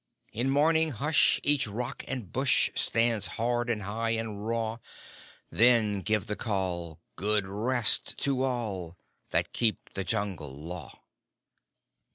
In morning hush, each rock and bush Stands hard, and high, and raw: Then give the Call: "_Good rest to all That keep the Jungle Law!